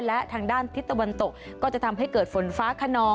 และทางด้านทิศตะวันตกก็จะทำให้เกิดฝนฟ้าขนอง